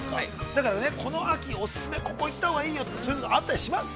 だからね、この秋お勧めここ行ったほうがいいよそういうのあったりします？